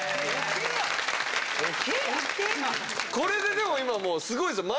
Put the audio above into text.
これででも今すごいですよ。